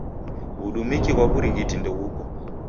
W'udumiki ghwa w'urighiti ndeghuko.